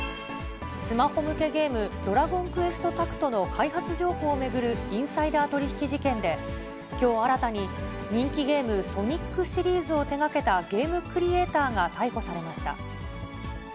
スマホ向けゲーム、ドラゴンクエストタクトの開発情報を巡るインサイダー取り引き事件で、きょう、新たに人気ゲーム、ソニックシリーズを手がけたゲームクリエーターが逮捕されました。